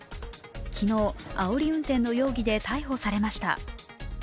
昨日、あおり運転の容疑で逮捕されました。